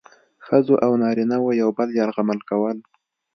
ښځو او نارینه وو یو بل یرغمل کول.